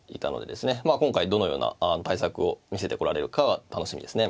今回どのような対策を見せてこられるかが楽しみですね。